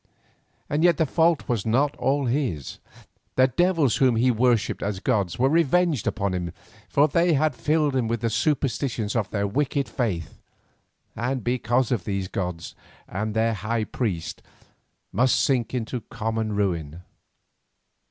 And yet the fault was not all his, the devils whom he worshipped as gods were revenged upon him, for they had filled him with the superstitions of their wicked faith, and because of these the gods and their high priest must sink into a common ruin.